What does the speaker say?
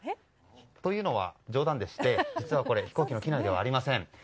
というのは冗談でして、実はこれ飛行機の機内ではありません。